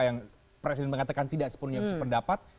yang presiden mengatakan tidak sepenuhnya bersih pendapat